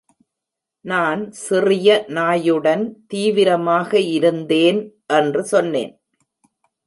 நான் சிறிய நாயுடன் தீவிரமாக இருந்தேன் என்று சொன்னேன்.